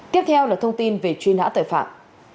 tiếp theo là thông tin về truy nã tội phạm